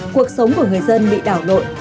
cuộc sống của người dân bị đảo lội